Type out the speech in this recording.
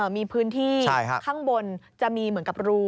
มีพื้นที่ข้างบนจะมีเหมือนกับรู